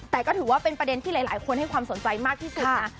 แต่ก็ถือว่าเป็นประเด็นที่หลายคนให้ความสนใจมากที่สุดนะ